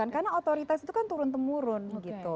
karena otoritas itu kan turun tengurun gitu